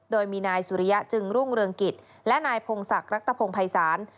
โดยมีนายสุริยะจึงรุ่งเรืองกิจและนายพงศักดิ์รัฐพงภัยศาล